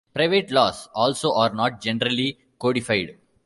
Private laws also are not generally codified.